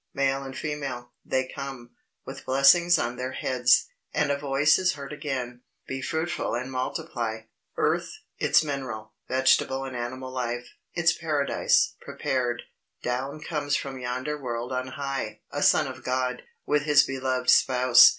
Male and female, they come, with blessings on their heads; and a voice is heard again, "Be fruitful and multiply." Earth its mineral, vegetable and animal wealth its Paradise, prepared, down comes from yonder world on high, a son of God, with his beloved spouse.